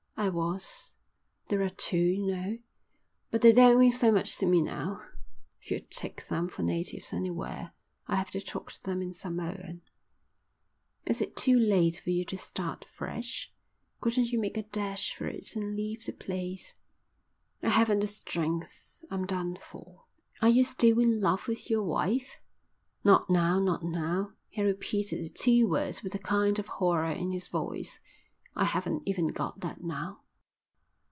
"I was. There are two, you know. But they don't mean so much to me now. You'd take them for natives anywhere. I have to talk to them in Samoan." "Is it too late for you to start fresh? Couldn't you make a dash for it and leave the place?" "I haven't the strength. I'm done for." "Are you still in love with your wife?" "Not now. Not now." He repeated the two words with a kind of horror in his voice. "I haven't even got that now.